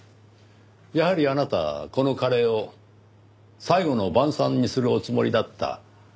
やはりあなたこのカレーを最後の晩餐にするおつもりだった。